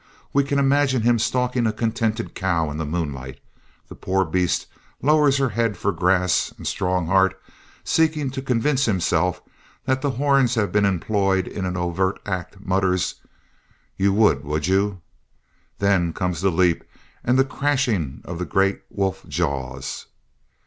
We can imagine him stalking a contented cow in the moonlight. The poor beast lowers her head for grass and Strongheart, seeking to convince himself that the horns have been employed in an overt act, mutters: "You would, would you!" Then comes the leap and the crashing of the great wolf jaws.